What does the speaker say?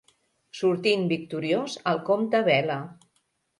Sortint victoriós el Comte Vela.